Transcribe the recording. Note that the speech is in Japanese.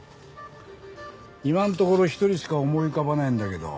今のところ一人しか思い浮かばねえんだけど。